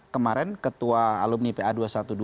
kemarin ketua alumni pa dua ratus dua belas